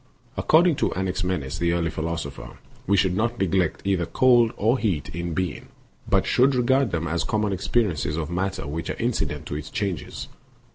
According to Anaxi menes, the early philosopher, we should not neglect either cold or heat in bemg but should regard them as common experiences of matter which are inci dent to its changes.